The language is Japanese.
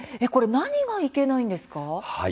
何がいけないんですか？